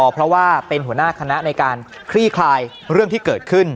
เพราะว่าเป็นหัวหน้าคณะในการคลี่คลายเรื่องที่เกิดขึ้น